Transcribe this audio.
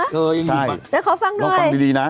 อ๋อเหรอแต่ขอฟังด้วย